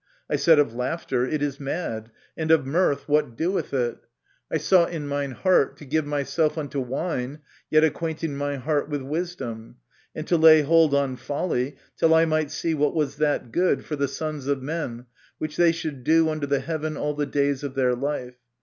I said of laughter, It is mad : and of mirth, What doeth it ? I sought in mine heart to give myself unto wine (yet acquainting mine heart with wisdom), and to lay hold on folly, till I might see what was that good for the sons of men, which they should do under the heaven all the days of their life.